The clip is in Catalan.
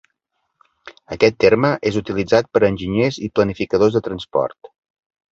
Aquest terme és utilitzat per enginyers i planificadors de transport.